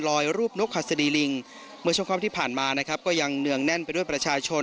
รูปนกหัสดีลิงเมื่อช่วงค่ำที่ผ่านมานะครับก็ยังเนืองแน่นไปด้วยประชาชน